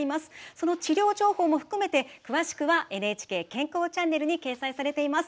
その治療情報も含めて詳しくは「ＮＨＫ健康チャンネル」に掲載されています。